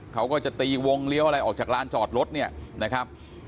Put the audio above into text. เขาก็จะตีวงเลี้ยวอะไรออกจากร้านจอดรถเนี่ยนะครับ